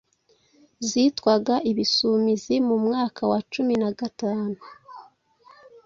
zitwaga Ibisumizi mu mwaka wa cumi nagatanu.